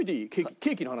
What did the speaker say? ケーキの話を。